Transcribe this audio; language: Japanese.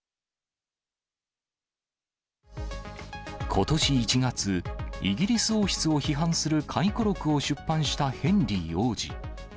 ことし１月、イギリス王室を批判する回顧録を出版したヘンリー王子。